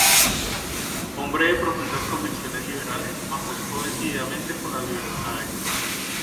Hombre de profundas convicciones liberales, apostó decididamente por la libertad de comercio.